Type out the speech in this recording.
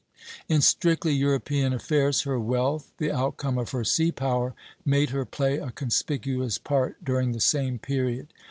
In strictly European affairs her wealth, the outcome of her sea power, made her play a conspicuous part during the same period.